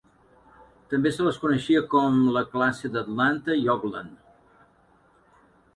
També se les coneixia com la classe d'Atlanta i Oakland.